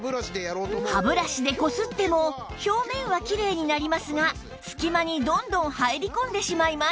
歯ブラシでこすっても表面はきれいになりますが隙間にどんどん入り込んでしまいます